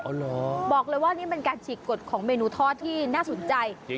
บอกเลยว่านี่เป็นการฉีกกฎของเมนูทอดที่น่าสนใจ